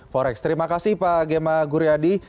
forex terima kasih pak gemma guryadi